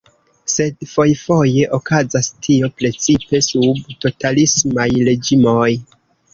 Sed fojfoje okazas tio precipe sub totalismaj reĝimoj.